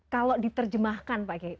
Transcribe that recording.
kalau diterjemahkan pak gai